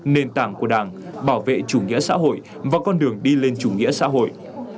nền tảng của đảng bảo vệ chủ nghĩa xã hội và con đường đi lên chủ nghĩa xã hội